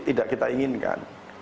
tidak kita inginkan